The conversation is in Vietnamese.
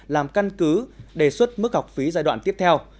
làm căn cứ đề xuất mức học phí giai đoạn tiếp theo